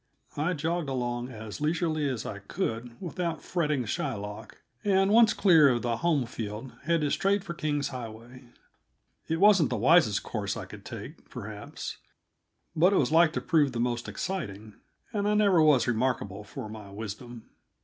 I jogged along as leisurely as I could without fretting Shylock, and, once clear of the home field, headed straight for King's Highway. It wasn't the wisest course I could take, perhaps, but it was like to prove the most exciting, and I never was remarkable for my wisdom.